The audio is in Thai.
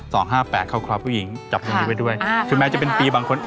สองห้าแปดข้อความผู้หญิงจับรูปนี้ไปด้วยคือแม้จะเป็นปีบางคน